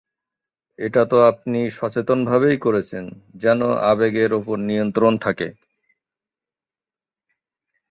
এটা তো আপনি সচেতনভাবেই করছেন যেন আবেগের ওপর নিয়ন্ত্রণ থাকে…